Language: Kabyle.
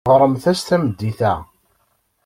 Ɣremt-as tameddit-a.